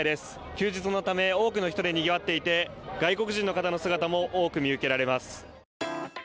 休日のため、多くの人でにぎわっていて外国人の方の姿も多く見受けられます。